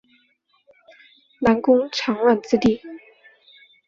南宫长万之弟。